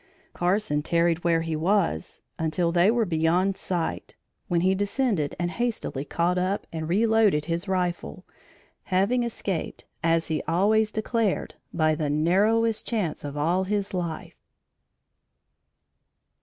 Carson tarried where he was until they were beyond sight, when he descended and hastily caught up and reloaded his rifle, having escaped, as he always declared, by the narrowest chance of all his life.